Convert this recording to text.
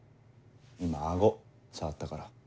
今顎触ったから。